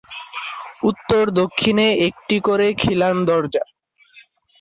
উত্তর-দক্ষিণে একটি করে খিলান দরজা।